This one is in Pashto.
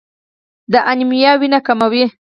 د انیمیا وینه کموي.